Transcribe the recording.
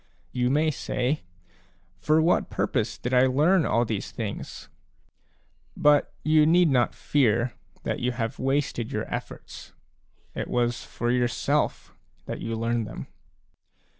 You may say: " For what purpose did I learn all these things ?" But you need not fear that you have wasted your efForts ; it was for yourself that you learned them.